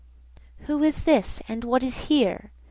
Who is this? and what is here?